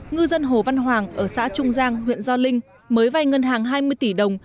ngư dân hồ văn hoàng ở xã trung giang huyện gio linh mới vay ngân hàng hai mươi tỷ đồng